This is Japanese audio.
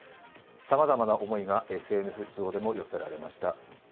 さまざまな思いがＳＮＳ上でも寄せられました。